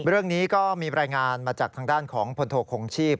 เรื่องนี้ก็มีรายงานมาจากทางด้านของพลโทคงชีพ